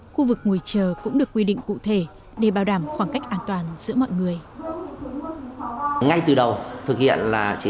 khu vực ngồi chờ cũng được quy định cụ thể để bảo đảm khoảng cách an toàn giữa mọi người